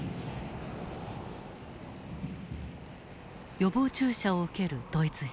予防注射を受けるドイツ兵。